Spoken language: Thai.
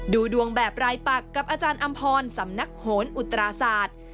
ดูดวงแบบรายปักกับอาจารย์อำพรสำนักโหนอุตราศาสตร์